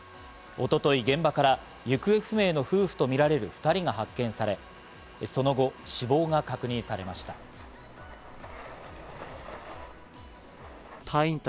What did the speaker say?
一昨日、現場から行方不明の夫婦とみられる２人が発見され、その後、死亡が確認されました。